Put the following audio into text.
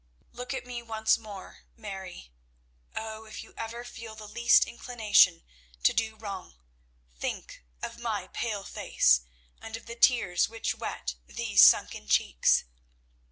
Look at me once more, Mary. Oh, if you ever feel the least inclination to do wrong, think of my pale face and of the tears which wet these sunken cheeks.